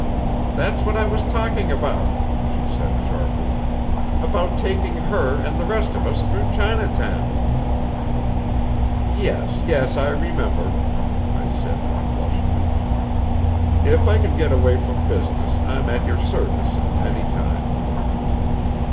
"That's what I was talking about," she said sharply, "about taking her and the rest of us through Chinatown." "Yes, yes. I remember," I said unblushingly. "If I can get away from business, I'm at your service at any time."